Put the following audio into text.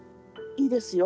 いいですよ。